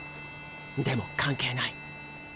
でも関係ない。